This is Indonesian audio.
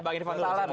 bang irfan silahkan